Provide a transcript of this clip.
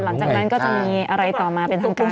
หลังจากนั้นก็จะมีอะไรต่อมาเป็นทางการ